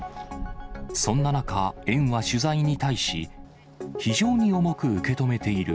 そんな中、園は取材に対し、非常に重く受け止めている。